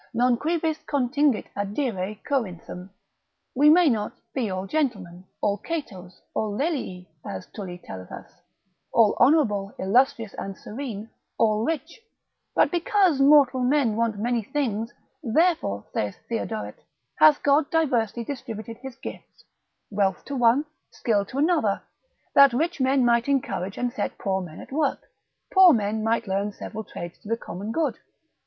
Non cuivis contingit adire Corinthum, we may not be all gentlemen, all Catos, or Laelii, as Tully telleth us, all honourable, illustrious, and serene, all rich; but because mortal men want many things, therefore, saith Theodoret, hath God diversely distributed his gifts, wealth to one, skill to another, that rich men might encourage and set poor men at work, poor men might learn several trades to the common good.